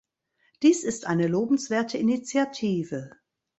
Dies ist eine lobenswerte Initiative.